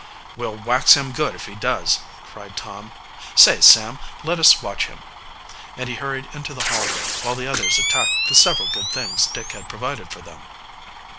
"We'll wax him good if he does!" cried Tom. "Say, Sam, let us watch him," and he hurried into the hallway, while the others attacked the several good things Dick had provided for them.